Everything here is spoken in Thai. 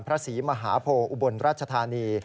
พระศรีมหาโพอุบลราชธานี